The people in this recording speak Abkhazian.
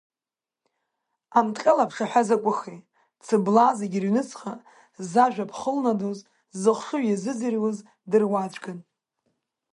Амтҟьал аԥшаҳәа закәыхи, цыблаа зегь рыҩнуҵҟа зажәа ԥхылнадоз, зыхшыҩ иазыӡырҩуаз дыруаӡәкын.